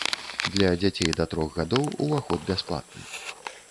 Для дзяцей да трох гадоў уваход бясплатны.